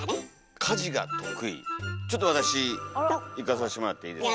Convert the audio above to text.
ちょっと私いかさしてもらっていいですか。